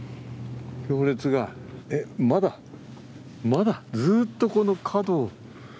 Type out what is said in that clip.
行列が、まだ、まだずっと、この角。